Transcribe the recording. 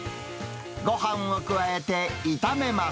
ごはんを加えて炒めます。